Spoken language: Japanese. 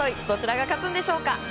どちらが勝つんでしょうか。